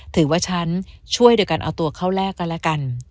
ถือว่าชั้นช่วยด้วยกันเอาตัวเข้าแลกแล้วกัน